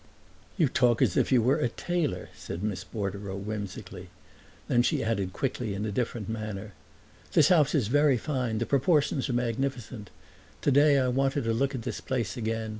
"You talk as if you were a tailor," said Miss Bordereau whimsically; and then she added quickly, in a different manner, "This house is very fine; the proportions are magnificent. Today I wanted to look at this place again.